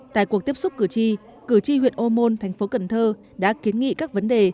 tại cuộc tiếp xúc cử tri cử tri huyện âu môn tp cần thơ đã kiến nghị các vấn đề